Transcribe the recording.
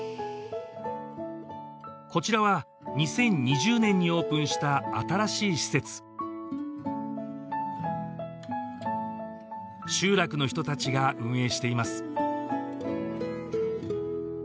こちらは２０２０年にオープンした新しい施設集落の人達が運営しています